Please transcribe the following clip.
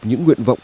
những nguyện vọng